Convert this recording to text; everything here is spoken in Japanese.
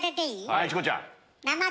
はいチコちゃん。